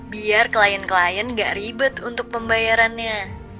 biar klien klien nggak ribet untuk pembayarannya